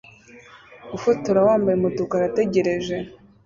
Ufotora wambaye umutuku arategereje